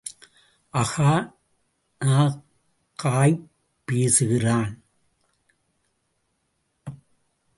அகா நாக்காய்ப் பேசுகிறான்.